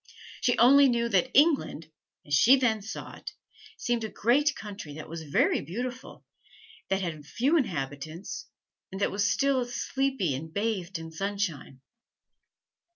She only knew that England, as she then saw it, seemed a great country that was very beautiful, that had few inhabitants, and that was still and sleepy and bathed in sunshine.